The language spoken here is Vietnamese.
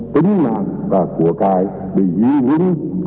tính nạn và của cài để giữ vững quyền tự do và độc lập ấy